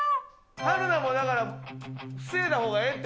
春菜もだから、防いだほうがいいって。